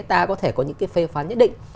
ta có thể có những phê phán nhất định